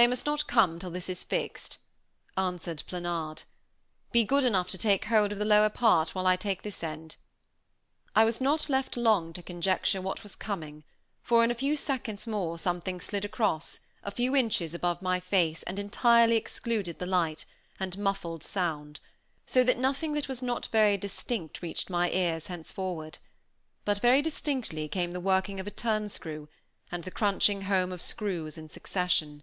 "They must not come till this is fixed," answered Planard. "Be good enough to take hold of the lower part while I take this end." I was not left long to conjecture what was coming, for in a few seconds more something slid across, a few inches above my face, and entirely excluded the light, and muffled sound, so that nothing that was not very distinct reached my ears henceforward; but very distinctly came the working of a turnscrew, and the crunching home of screws in succession.